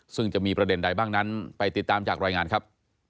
ซึ่งจะมีประเด็นใดบ้างนั้นไปติดตามจากรายงานครับ